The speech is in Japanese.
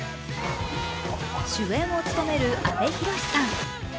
主演を務める阿部寛さん。